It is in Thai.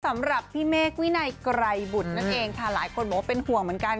สำหรับพี่เมฆวินัยไกรบุตรนั่นเองค่ะหลายคนบอกว่าเป็นห่วงเหมือนกัน